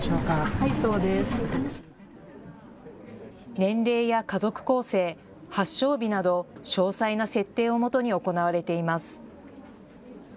年齢や家族構成、発症日など詳細な設定をもとに行われています。